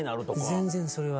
全然それは。